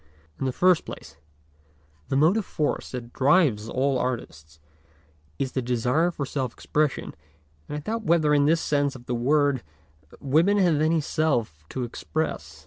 In the first place the motive force that drives all artists is the desire for self expression, and I doubt whether in this sense of the word women have any self to express.